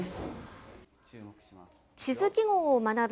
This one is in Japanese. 地図記号を学ぶ